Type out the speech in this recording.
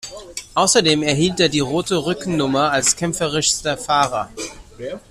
Außerdem erhielt er die Rote Rückennummer als kämpferischster Fahrer.